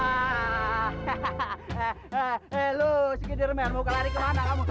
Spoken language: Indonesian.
hahahaha he lu si kether man mau kelari kemana kamu